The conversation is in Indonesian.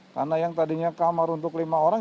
karena yang tadinya kamar untuk lima orang